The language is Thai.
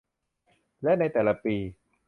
และในแต่ละปี